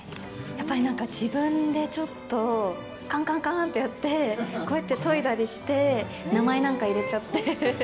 やっぱりなんか自分でちょっと、かんかんかんってやって、こうやって研いだりして、名前なんか入れちゃって。